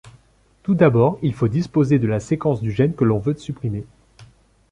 Tout d'abord il faut disposer de la séquence du gène que l'on veut supprimer.